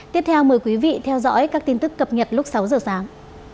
tiếp theo mời quý vị theo dõi các tin tức cập nhật lúc sáu giờ sáng